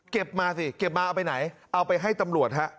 มาสิเก็บมาเอาไปไหนเอาไปให้ตำรวจฮะ